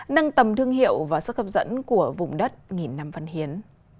nâng tầm thương hiệu và sức hấp dẫn của vùng đất nghìn năm văn hiến